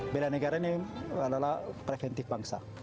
bela negara ini adalah preventif bangsa